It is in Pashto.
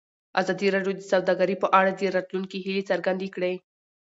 ازادي راډیو د سوداګري په اړه د راتلونکي هیلې څرګندې کړې.